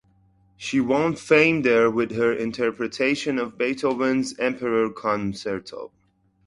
She won fame there with her interpretation of Beethoven's "Emperor" Concerto.